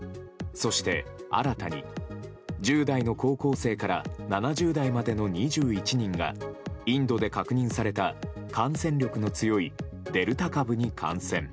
そして、新たに１０代の高校生から７０代までの２１人がインドで確認された感染力の強いデルタ株に感染。